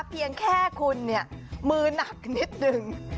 เพียงแค่คุณเนี่ยมือหนักนิดนึง